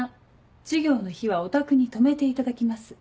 ３授業の日はお宅に泊めていただきます。